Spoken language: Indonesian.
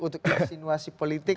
untuk insinuasi politik